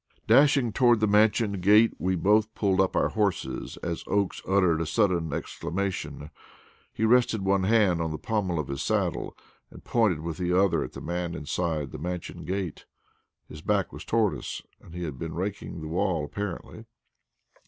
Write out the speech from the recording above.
Dashing toward the Mansion gate, we both pulled up our horses as Oakes uttered a sudden exclamation. He rested one hand on the pommel of his saddle and pointed with the other at a man inside the Mansion gate. His back was toward us, and he had been raking the walk apparently.